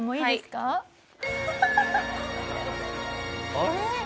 あれ？